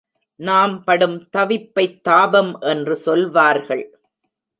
நாம் படும் தவிப்பைத் தாபம் என்று சொல்வார்கள்.